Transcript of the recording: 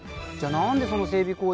じゃあ何でその整備